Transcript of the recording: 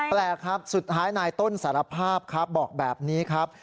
แปลกครับสุดท้ายนายต้นสารภาพครับบอกแบบนี้ครับ